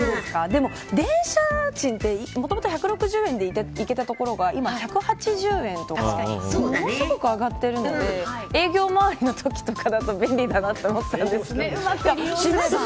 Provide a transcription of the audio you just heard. でも、電車賃って、もともと１６０円で行けた所とか今、１８０円とか上がっているので営業周りのときとかだと便利だなと思ったんですね。